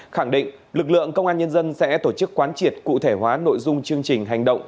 khẳng định lực lượng công an nhân dân sẽ tổ chức quán triệt cụ thể hóa nội dung chương trình hành động